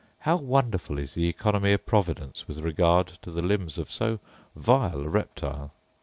How wonderful is the oeconomy of Providence with regard to the limbs of so vile a reptile!